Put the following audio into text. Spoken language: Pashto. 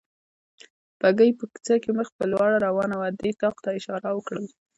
بګۍ په کوڅه کې مخ په لوړه روانه وه، دې طاق ته اشاره وکړل.